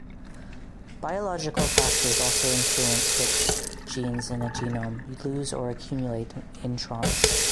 Biological factors also influence which genes in a genome lose or accumulate introns.